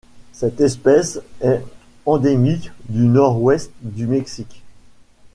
Cette espèce est endémique du Nord-Ouest du Mexique.